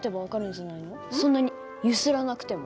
そんなに揺すらなくても。